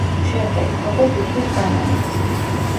შემდეგ: როგორ ვითვლით ბანანებს?